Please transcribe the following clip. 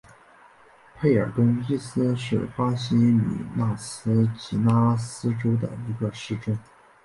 佩尔东伊斯是巴西米纳斯吉拉斯州的一个市镇。